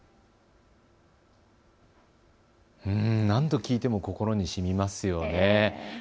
何度聞いても心にしみますよね。